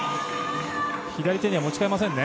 左手には持ち替えませんね。